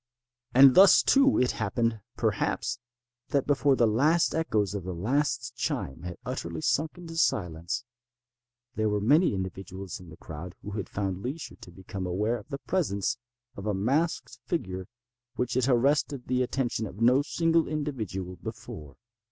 And thus, too, it happened, perhaps, that before the last echoes of the last chime had utterly sunk into silence, there were many individuals in the crowd who had found leisure to become aware of the presence of a masked figure which had arrested the attention of no single individual before.